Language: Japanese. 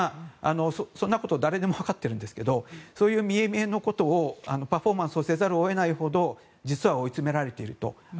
そんなこと誰でも分かってるんですけどそういう見え見えのことをパフォーマンスせざるを得ないほど実は追い詰められていると。